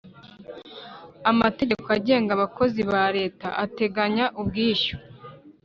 Amategeko agenga abakozi ba Leta ateganya ubwishyu